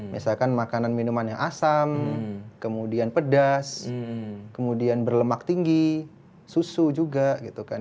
misalkan makanan minuman yang asam kemudian pedas kemudian berlemak tinggi susu juga gitu kan